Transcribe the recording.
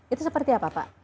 itu seperti apa pak